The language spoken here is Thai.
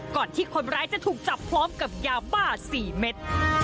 ที่คนร้ายจะถูกจับพร้อมกับยาบ้า๔เม็ด